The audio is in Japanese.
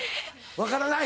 分からない？